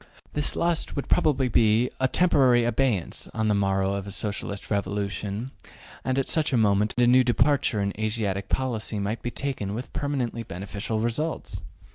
This lust would probably be in temporary abeyance on the morrow of a Socialist revolution, and at such a moment a new departure in Asiatic policy might be taken with permanently beneficial results.